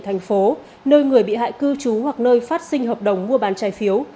thành phố nơi người bị hại cư trú hoặc nơi phát sinh hợp đồng mua bán trái phiếu